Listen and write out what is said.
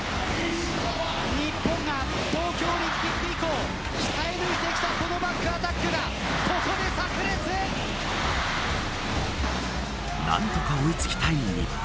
日本が東京オリンピック以降鍛え抜いてきたこのバッグアタックが何とか追い付きたい日本。